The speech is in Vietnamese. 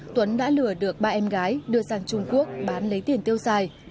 tuấn đã lừa được ba em gái đưa sang trung quốc bán lấy tiền tiêu xài